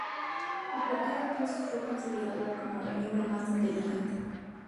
A partir de entonces fue considerada como la miembro más inteligente.